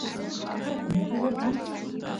allqo mikudor kan